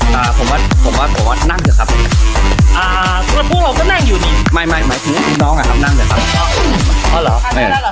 นั่นก็คือคุณเชอรี่สามโภค